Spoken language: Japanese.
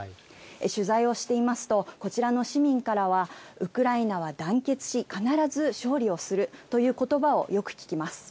取材をしていますと、こちらの市民からは、ウクライナは団結し、必ず勝利をするということばをよく聞きます。